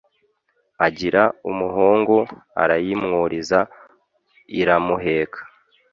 agira umuhungu arayimwuriza iramuheka.